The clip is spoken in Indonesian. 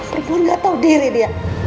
tepuk tangan gak tau diri dia